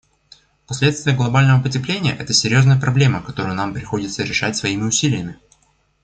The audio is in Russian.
Последствия глобального потепления — это серьезная проблема, которую нам приходится решать своими усилиями.